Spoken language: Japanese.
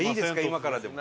今からでも。